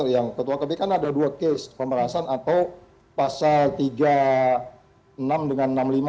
yang ketua kpk kan ada dua case pemerasan atau pasal tiga puluh enam dengan enam puluh lima